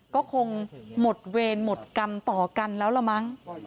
ก็คงหมดเวรหมดกรรมต่อกันแล้วละมั้ง